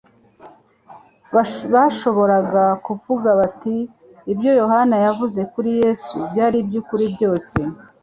bashoboraga kuvuga bati: "Ibyo Yohana yavuze kuri Yesu byari iby'ukuri byose"